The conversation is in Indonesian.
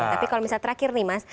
tapi kalau misalnya terakhir nih mas